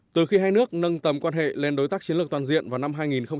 từ khi hai nước nâng tầm quan hệ lên đối tác chiến lược toàn diện vào năm hai nghìn một mươi